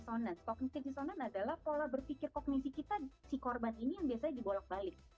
jadi mereka berpikir kognitif disonans adalah pola berpikir kognisi kita si korban ini yang biasanya dibolak balik